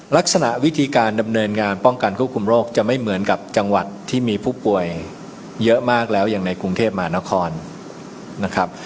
ลักษณะวิธีการดำเนินงานป้องกันควบคุมโรคจะไม่เหมือนกับจังหวัดที่มีผู้ป่วยเยอะมากแล้วอย่างในกรุงเทพมหานครนะครับ